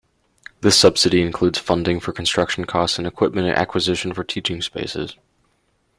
This subsidy includes funding for construction costs and equipment acquisition for teaching spaces.